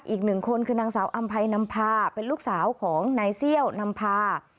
อีกหนึ่งคนคือนางสาวอำไพนำพาเป็นลูกสาวของนายเซี่ยวนำพา